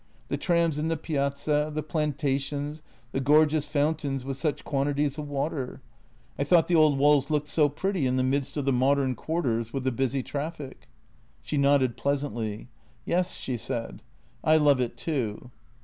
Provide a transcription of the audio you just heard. The trams in the piazza, the planta tions, the gorgeous fountains with such quantities of water. I thought the old walls looked so pretty in the midst of the mod ern quarters with the busy traffic." She nodded pleasantly. " Yes," she said; " I love it too."